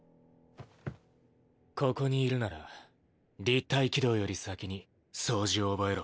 ここにいるなら立体機動より先に掃除を覚えろ。